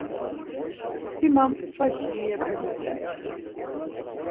Si ma mskva şiirepe miç̌ari.